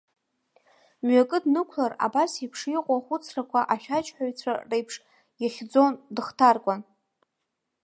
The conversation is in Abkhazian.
Мҩакы днықәлар, абас еиԥш иҟоу ахәыцрақәа ашәаџьҳәацәа реиԥш ихьӡон, дыхҭаркуан.